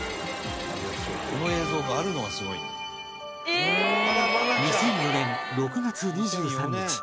「この映像があるのがすごい」２００４年６月２３日